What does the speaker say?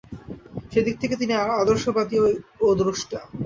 সেদিক থেকে তিনি আদর্শবাদী ও দ্রষ্টা।